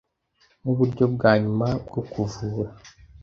nk’uburyo bwa nyuma bwo kuvura